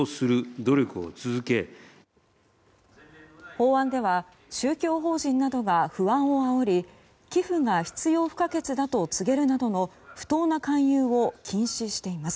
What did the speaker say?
法案では宗教法人などが不安をあおり寄付が必要不可欠だと告げるなどの不当な勧誘を禁止しています。